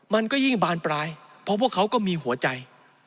มันก็ยิ่งบานปลายเพราะพวกเขาก็มีหัวใจ